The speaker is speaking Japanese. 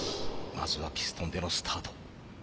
まずはピストンでのスタート。